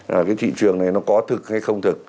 là cái thị trường này nó có thực hay không thực